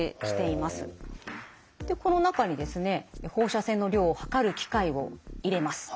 この中にですね放射線の量を測る機械を入れます。